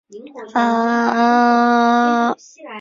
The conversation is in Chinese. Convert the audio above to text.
他从威斯康辛大学麦迪逊分校获得学士与硕士学位。